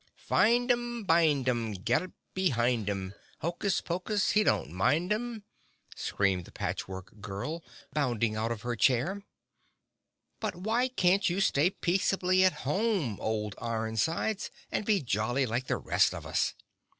"Find 'em—bind 'em, Get behind 'em! Hokus Pokus He don't mind 'em!" screamed the Patch Work Girl, bounding out of her chair. "But why can't you stay peaceably at home, old Iron Sides, and be jolly like the rest of us?"